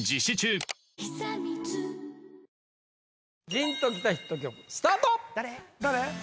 ジーンときたヒット曲スタート誰？